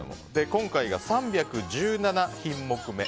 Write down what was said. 今回が３１７品目め。